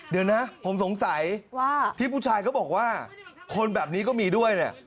เดี๋ยวนะผมสงสัยว่าที่ผู้ชายเขาบอกว่าคนแบบนี้ก็มีด้วยเนี่ย